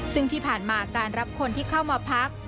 ซึ่งที่ผ่านมาการรับคนที่เข้ามาพัก